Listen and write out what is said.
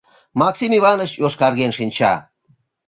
Максим Иваныч йошкарген шинча.